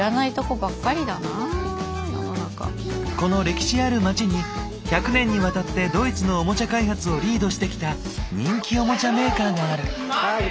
この歴史ある街に１００年にわたってドイツのオモチャ開発をリードしてきた人気オモチャメーカーがある。